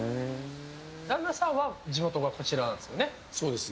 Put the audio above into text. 旦那さんは地元がこちらなんですよね。